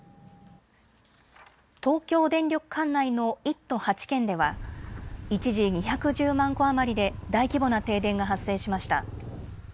東京電力管内の１都８県では一時、２１０万戸余りで大規模な停電が発生しました。